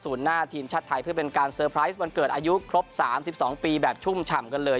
หน้าทีมชาติไทยเพื่อเป็นการเตอร์ไพรส์วันเกิดอายุครบ๓๒ปีแบบชุ่มฉ่ำกันเลย